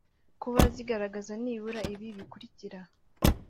kuba zigaragaza nibura ibi bikurikira